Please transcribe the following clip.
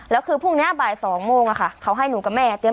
แล้วคือพรุ่งนี้บ่าย๒โมงเขาให้หนูกับแม่เตรียม